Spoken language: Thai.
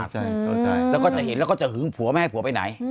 พี่ก็จะเห็นเจอผัวให้ผัวไปไหน